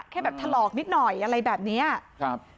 แค่แบบถลอกนิดหน่อยอะไรแบบเนี้ยครับ